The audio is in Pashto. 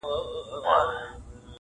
o څوک یې وړونه څه خپلوان څه قریبان دي,